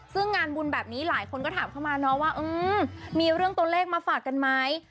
ซึ่งงานบุญแบบนี้หลายคนก็ถามเข้ามาเนาะว่ามีเรื่องตัวเลขมาฝากกันไหม